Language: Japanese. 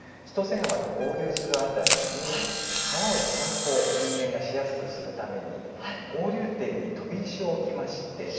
千歳川と合流する辺りに川を散歩人間がしやすくするために合流点に飛び石を置きまして。